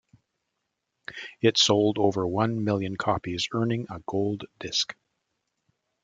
It sold over one million copies, earning a gold disc.